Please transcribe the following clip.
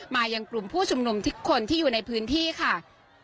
มายังกลุ่มผู้ชุมนุมทุกคนที่อยู่ในพื้นที่ค่ะ